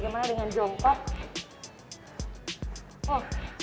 karena dengan jongkok